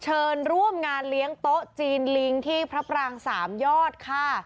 เชิญร่วมงานเลี้ยงโต๊ะจีนลิงที่พระปรางสามยอดค่ะ